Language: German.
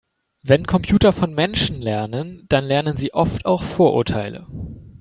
Wenn Computer von Menschen lernen, dann lernen sie oft auch Vorurteile.